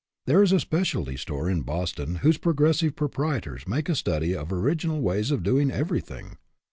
There is a specialty store in Boston whose progressive proprietors make a study of orig inal ways of doing everything.